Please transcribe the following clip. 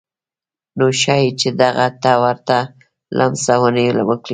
نو ښايي چې دغه ته ورته لمسونې وکړي.